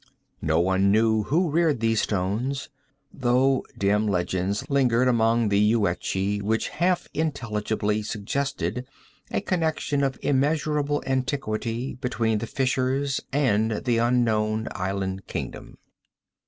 None knew who reared those stones, though dim legends lingered among the Yuetshi which half intelligibly suggested a connection of immeasurable antiquity between the fishers and the unknown island kingdom.